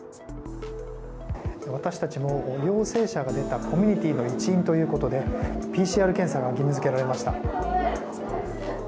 私たちも陽性者が出たコミュニティーの一員ということでＰＣＲ検査が義務付けられました。